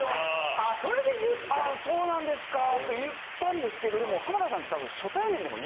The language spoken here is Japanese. あそうなんですかと言ったんですけどでも浜田さんってたぶん。